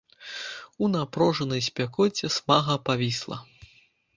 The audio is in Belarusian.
У напружанай спякоце смага павісла.